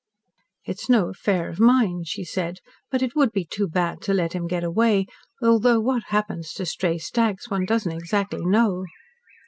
"It is no affair of mine," she said, "but it would be too bad to let him get away, though what happens to stray stags one doesn't exactly know."